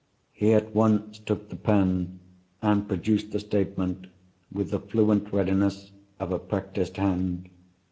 He at once took the pen, and produced the statement with the fluent readiness of a practised hand.